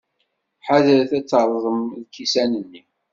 Ḥadret ad terrẓem lkisan-nni.